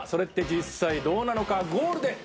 実際どうなの課ゴールデン」